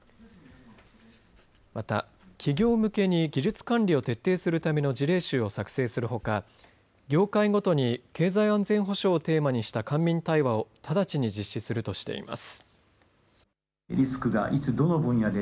また、企業向けに技術管理を徹底するための事例集を作成するほか業界ごとに経済安全保障をテーマにした官民対話を直ちに実施するとしています。